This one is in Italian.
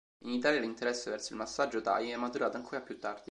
In Italia, l'interesse verso il massaggio thai è maturato ancora più tardi.